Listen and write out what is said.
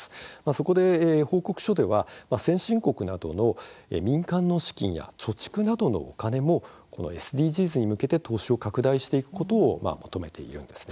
そこで報告書では先進国などの民間の資金や貯蓄などのお金もこのＳＤＧｓに向けて投資を拡大していくことを求めているんです。